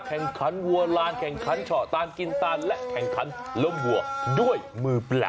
แข่งขันวัวลานแข่งขันเฉาะตานกินตานและแข่งขันล้มวัวด้วยมือเปล่า